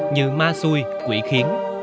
như ma xuôi quỷ khiến